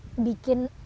susah banget bikin